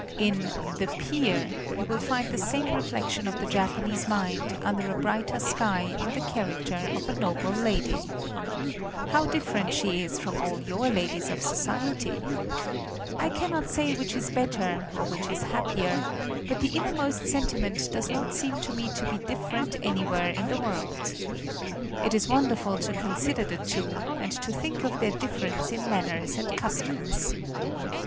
In "The Pier" you will find the same reflection of the Japanese mind, under a brighter sky, in the character of a noble lady. How different she is from all your ladies of society! I cannot xvi INTRODUCTION say which is better or which is happier, but the innermost sentiment does not seem to me to be different anywhere in the world. It is wonderful to consider the two, and to think of their difference in manners and customs.